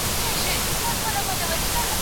زورور له زورور څخه ډارېږي